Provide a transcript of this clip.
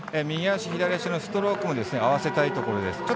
右足、左足のストロークも合わせたいところです。